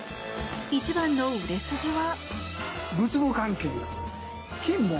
一番の売れ筋は。